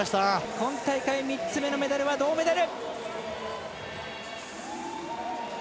今大会、３つ目のメダルは銅メダル！